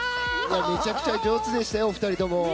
めちゃくちゃ上手でしたよお二人も。